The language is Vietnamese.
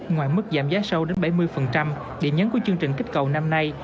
ngoài mức giảm giá sâu đến bảy mươi điểm nhấn của chương trình kích cầu năm nay